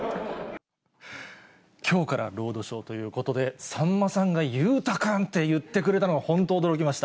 きょうからロードショーということで、さんまさんが裕太君って言ってくれたのには本当、驚きました。